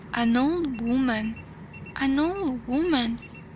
"An old woman! an old woman!